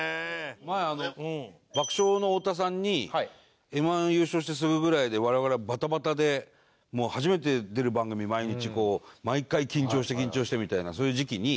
前あの爆笑の太田さんにＭ−１優勝してすぐぐらいで我々がバタバタで初めて出る番組毎日こう毎回緊張して緊張してみたいなそういう時期に。